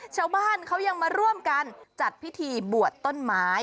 ชาวบ้านเขายังมาร่วมกันจัดพิธีบวชต้นไม้